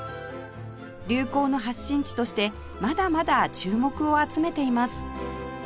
流行の発信地としてまだまだ注目を集めています